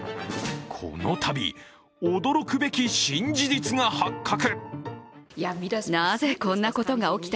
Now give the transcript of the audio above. このたび驚くべき新事実が発覚。